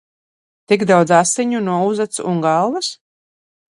Tik daudz asiņu no uzacs un galvas?